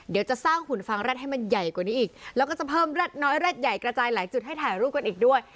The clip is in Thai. เดี๋ยวจะสร้างหุ่นฟางแร็ดให้มันใหญ่กว่านี้อีกแล้วก็จะเพิ่มแร็ดน้อยแร็ดใหญ่กระจายหลายจุดให้ถ่ายรูปกันอีกด้วย